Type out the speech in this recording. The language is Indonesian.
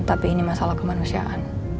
tapi ini masalah kemanusiaan